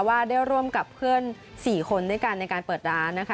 ว่าได้ร่วมกับเพื่อน๔คนด้วยกันในการเปิดร้านนะคะ